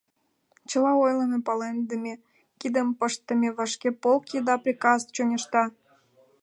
Чыла ойлымо, палемдыме, кидым пыштыме: вашке полк еда приказат чоҥешта.